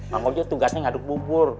mah ngobrol tugasnya ngaduk bubur